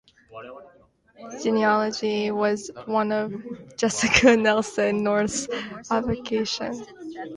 Genealogy was one of Jessica Nelson North's avocations.